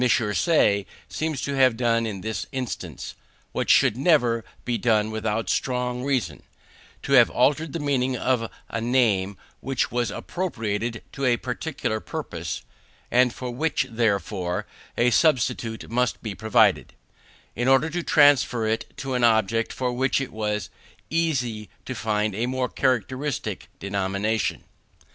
Say seems to have done in this instance, what should never be done without strong reasons; to have altered the meaning of a name which was appropriated to a particular purpose (and for which, therefore, a substitute must be provided), in order to transfer it to an object for which it was easy to find a more characteristic denomination.